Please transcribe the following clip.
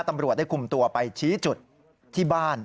ตำรวจได้คุมตัวไปชี้จุดที่บ้าน